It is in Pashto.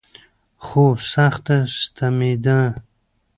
خو سخت ستمېده.